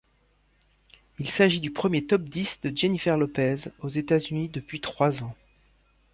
Il s'agit du premier top dix de Jennifer Lopez aux États-Unis depuis trois ans.